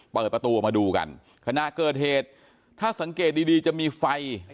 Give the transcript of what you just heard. เปิดประตูออกมาดูกันขณะเกิดเหตุถ้าสังเกตดีดีจะมีไฟ